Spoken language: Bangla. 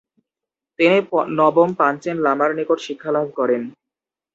তিনি নবম পাঞ্চেন লামার নিকট শিক্ষালাভ করেন।